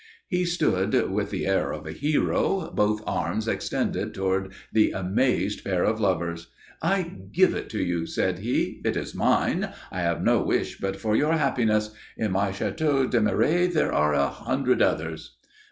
He stood, with the air of a hero, both arms extended towards the amazed pair of lovers. "I give it to you," said he. "It is mine. I have no wish but for your happiness. In my Château de Mireilles there are a hundred others."